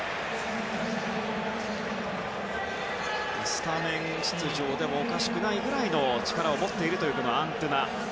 スタメン出場でもおかしくないくらいの力を持っているアントゥナ。